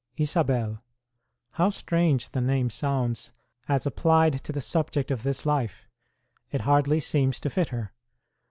Isabel ! How strange the name sounds as applied to the subject of this life ! It hardly seems to fit her.